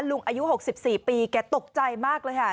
อายุ๖๔ปีแกตกใจมากเลยค่ะ